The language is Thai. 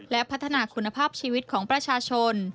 และพัฒนาคุณภาพชีวิตของประชาชน